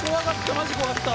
マジ怖かった。